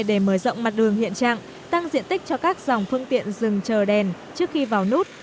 để mở rộng mặt đường hiện trạng tăng diện tích cho các dòng phương tiện rừng chờ đèn trước khi vào nút